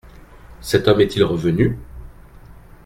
Cet homme est-il revenu ?